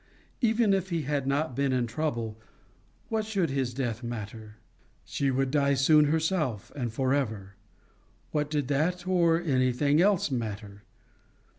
Even if he had not been in trouble, what should his death matter? She would die soon herself and for ever: what did that or anything else matter?